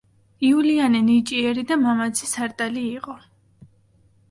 იულიანე ნიჭიერი და მამაცი სარდალი იყო.